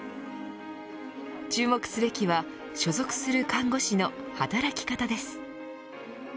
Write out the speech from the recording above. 注目すべきは所属する看護師の働き方です。